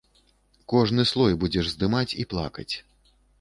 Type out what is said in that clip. Кожны слой будзеш здымаць і плакаць.